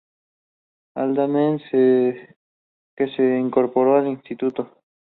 Haldane, que se incorporó al instituto.